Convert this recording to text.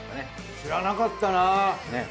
知らなかったな。ねぇ。